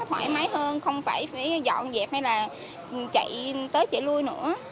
thoải mái hơn không phải phải dọn dẹp hay là chạy tới chạy lui nữa